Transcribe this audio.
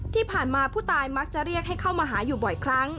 ที่ผ่านมาผู้ตายมักจะเรียกให้เข้ามาหาอยู่บ่อยครั้ง